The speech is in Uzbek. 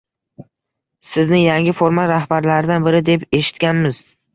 Sizni yangi format rahbarlaridan biri deb eshitganmiz